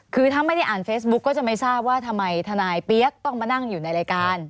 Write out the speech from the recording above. คือถ้าไม่ได้อ่านเฟซบุ๊กก็จะไม่ทราบว่าทำไมทนายเปี๊ยกต้องมานั่งอยู่ในรายการ